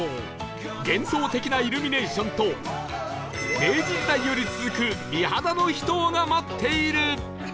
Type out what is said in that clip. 幻想的なイルミネーションと明治時代より続く美肌の秘湯が待っている